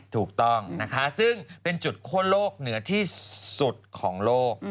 ถูกต้องนะคะซึ่งเป็นจุดคั่วโลกเหนือที่สุดของโลก